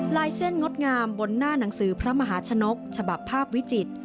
ลายเส้นงดงามบนหน้าหนังสือพระมหาชนกฉบับภาพวิจิตร